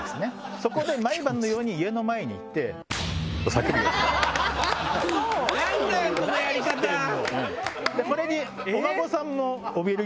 そこで毎晩のように家の前に行って。と叫ぶように。